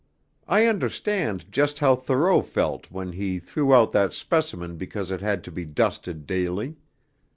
I understand just how Thoreau felt when he threw out that specimen because it had to be dusted daily.